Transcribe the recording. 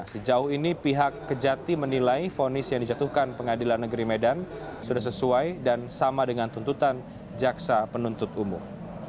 sejauh ini pihak kejati menilai fonis yang dijatuhkan pengadilan negeri medan sudah sesuai dan sama dengan tuntutan jaksa penuntut umum